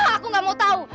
aku gak mau tahu